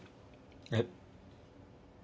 えっ？